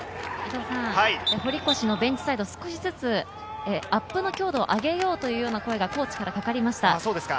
堀越のベンチサイド、少しずつアップの強度を上げようという声がコーチからかかりました。